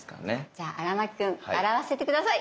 じゃあ荒牧君笑わせて下さい。